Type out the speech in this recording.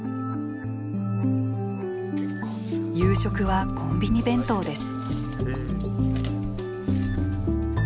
夕食はコンビニ弁当です。